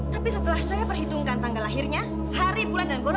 tapi saya harus menjemput kekasihku dulu